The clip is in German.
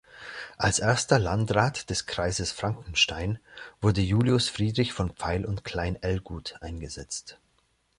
Als erster Landrat des Kreises Frankenstein wurde Julius Friedrich von Pfeil und Klein–Ellguth eingesetzt.